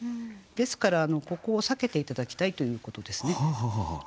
ですからここを避けて頂きたいということですね。